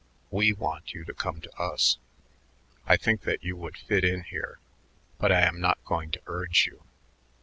We want you to come to us. I think that you would fit in here, but I am not going to urge you.